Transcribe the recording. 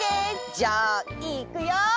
じゃあいくよ！